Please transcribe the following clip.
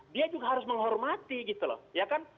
dia juga harus menghormati gitu loh ya kan